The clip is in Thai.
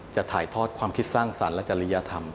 จะถ่ายทอดความคิดสร้างสรรค์และจริยธรรม